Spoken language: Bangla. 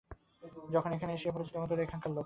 যখন এখানে এসে পড়েছিস, তখন তোরা এখানকার লোক।